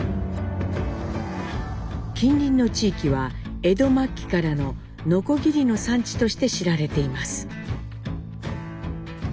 近隣の地域は江戸末期からののこぎりの産地として知られています。